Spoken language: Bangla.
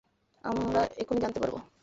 আমরা এখনই জানতে পারব।